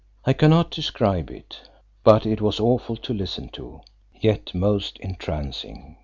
I cannot describe it, but it was awful to listen to, yet most entrancing.